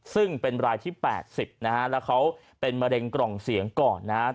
ซึ่งเป็นรายที่๘๐นะฮะแล้วเขาเป็นมะเร็งกล่องเสียงก่อนนะครับ